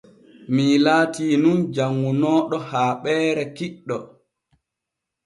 Mii laatin nun janŋunooɗo haaɓeere kiɗɗo.